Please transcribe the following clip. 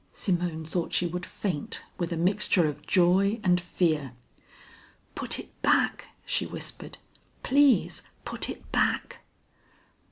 Simone thought she would faint with a mixture of joy and fear. "Put it back," she whispered. "Please put it back."